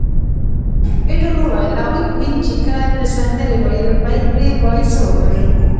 ایټور وویل: هغوی پوهیږي چې کله ته سندرې ویل پیل کړې باید څه وکړي.